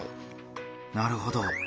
なるほど。